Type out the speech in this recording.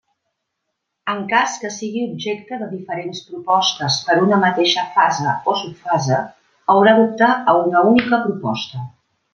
En cas que sigui objecte de diferents propostes per una mateixa fase o subfase haurà d'optar a una única proposta.